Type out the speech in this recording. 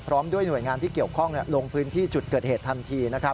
ด้วยหน่วยงานที่เกี่ยวข้องลงพื้นที่จุดเกิดเหตุทันที